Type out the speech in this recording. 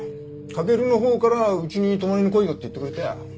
駆のほうからうちに泊まりに来いよって言ってくれたよ。